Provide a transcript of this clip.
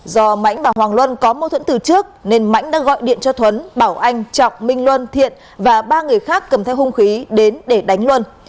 do mãnh và hoàng luân có mâu thuẫn từ trước nên mãnh đã gọi điện cho thuấn bảo anh trọng minh luân thiện và ba người khác cầm theo hung khí đến để đánh luân